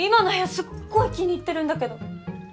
すっごい気に入ってるんだけど。